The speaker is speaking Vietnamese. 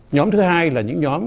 nhóm thứ hai là những nhóm